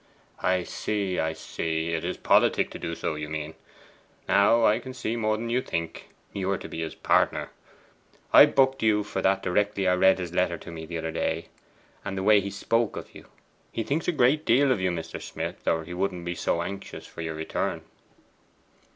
'I see; I see. It is politic to do so, you mean. Now I can see more than you think. You are to be his partner. I booked you for that directly I read his letter to me the other day, and the way he spoke of you. He thinks a great deal of you, Mr. Smith, or he wouldn't be so anxious for your return.